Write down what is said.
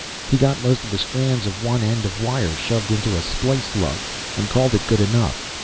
He got most of the strands of one end of wire shoved into a splice lug, and called it good enough.